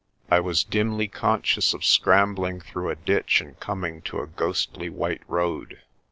I was dimly conscious of scrambling through a ditch and coming to a ghostly white road.